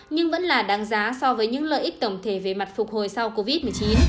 nhưng vẫn là đáng giá so với những lợi ích tổng thể về mặt phục hồi sau covid một mươi chín